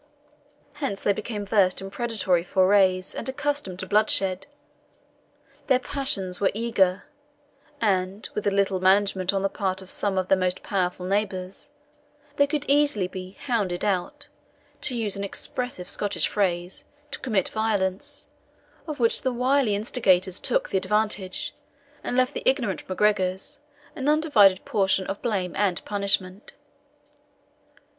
Hence they became versed in predatory forays, and accustomed to bloodshed. Their passions were eager, and, with a little management on the part of some of their most powerful neighbours, they could easily be hounded out, to use an expressive Scottish phrase, to commit violence, of which the wily instigators took the advantage, and left the ignorant MacGregors an undivided portion of blame and punishment.